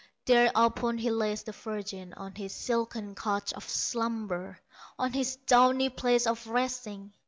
Thereupon he lays the virgin On his silken couch of slumber, On his downy place of resting.